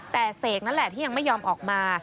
แต่เสกนั่นแหละที่ยังไม่ยอมออกมา